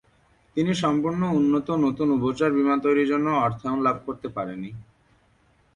কিন্তু সম্পূর্ণ উন্নত নতুন উভচর বিমান তৈরির জন্য অর্থায়ন লাভ করতে পারেনি।